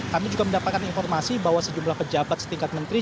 kami juga mendapatkan informasi bahwa sejumlah pejabat setingkat menteri